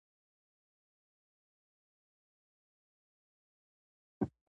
لوستې میندې د ماشوم پر خوندیتوب ژمنه ده.